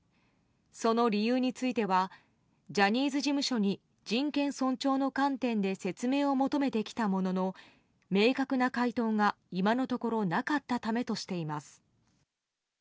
その理由についてはジャニーズ事務所に人権尊重の観点で説明を求めてきたものの明確な回答が、今のところなかったためとしています。